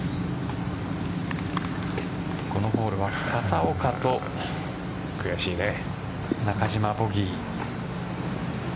このホールは片岡と中島、ボギー。